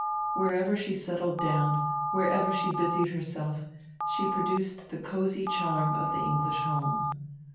Wherever she settled down, wherever she busied herself, she produced the cosey charm of the English home.